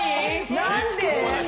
何で？